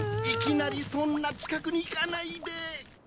いきなりそんな近くに行かないで！